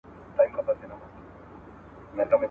مورنۍ ژبه څنګه د زده کړې پايلې ښه کوي؟